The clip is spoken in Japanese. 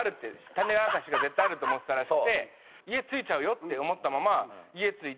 種明かしが絶対あるって思ってたらしくて家着いちゃうよって思ったまま家着いて。